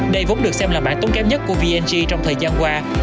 đây vốn được xem là bãi tốn kém nhất của vng trong thời gian qua